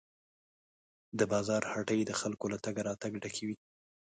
د بازار هټۍ د خلکو له تګ راتګ ډکې وې.